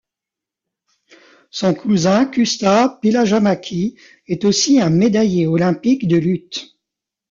Son cousin Kustaa Pihlajamäki est aussi un médaillé olympique de lutte.